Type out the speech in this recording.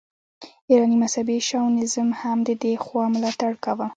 ایراني مذهبي شاونیزم هم د دې خوا ملاتړ کاوه.